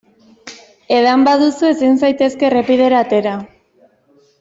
Edan baduzu ezin zaitezke errepidera atera.